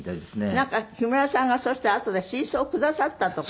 なんか木村さんがそしたらあとで水槽をくださったとか。